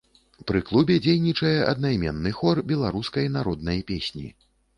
Пры клубе дзейнічае аднайменны хор беларускай народнай песні.